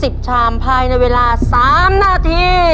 เพื่อชิงทุนต่อชีวิตสุด๑ล้านบาท